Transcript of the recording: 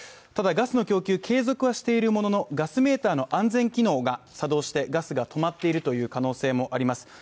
ただ、ガスの供給は継続をしているものの、ガスメーターの安全機能が作動してガスが止まっている可能性があります。